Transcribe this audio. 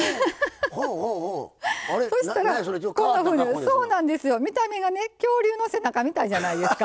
そしたら見た目が恐竜の背中みたいじゃないですか。